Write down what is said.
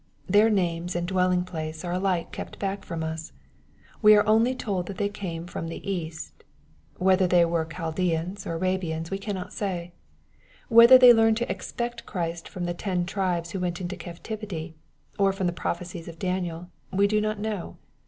Their names / and dwelling place are alike kept back from us. We are / only told that they came " from the East." Whether they were Chaldeans or Arabians we cannot say. Whether they learned to expect Christ from the ten tribes who went into captivity, or from the prophecies of Daniel, we do not know.